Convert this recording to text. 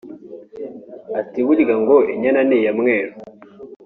Ati “Burya ngo inyana ni iya mweru